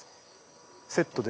セットで。